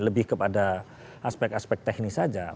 lebih kepada aspek aspek teknis saja